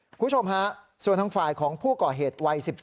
คุณผู้ชมฮะส่วนทางฝ่ายของผู้ก่อเหตุวัย๑๔